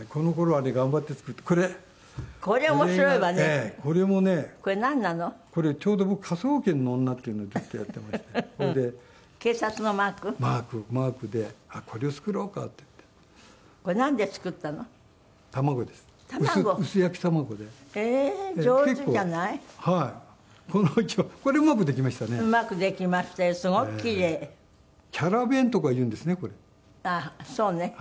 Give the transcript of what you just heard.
ああーそうね。